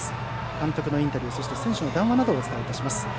監督のインタビュー選手の談話などをお伝えします。